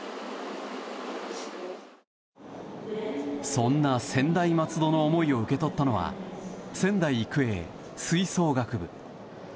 そんな専大松戸の思いを受け取ったのは仙台育英、吹奏楽部。